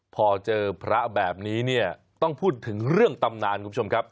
พอเจอพระแบบนี้เนี่ยต้องพูดถึงเรื่องตำนานคุณผู้ชมครับ